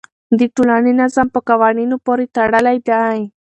د ټولنې نظم په قوانینو پورې تړلی دی.